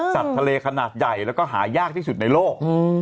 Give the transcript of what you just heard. ทะเลขนาดใหญ่แล้วก็หายากที่สุดในโลก